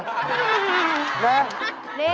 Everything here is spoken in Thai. เนี่ย